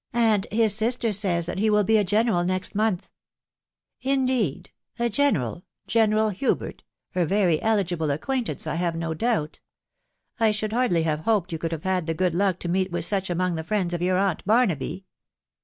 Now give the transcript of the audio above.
and his sister says that he will be a general next month." " Indeed !.... A general ?...•. General Hubert !.... a very eligible acquaintance, I have no doubt. ... I should hardly have hoped you could have had the good luck to meet with such among the friends of your aunt Barnaby."